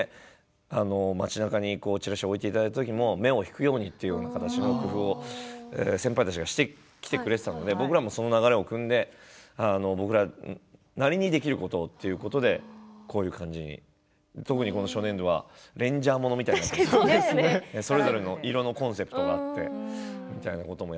街なかにちらしを置いていただいた時も目を引くようにという形の工夫を先輩たちがしてきてくれていたので、僕たちもその流れをくんで僕らなりにできることということでこういう感じに特に、この初年度はレンジャーものみたいなそれぞれの色のコンセプトがあって。